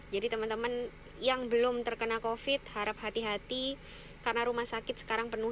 jadi teman teman yang belum terkena covid sembilan belas harap hati hati karena rumah sakit sekarang penuh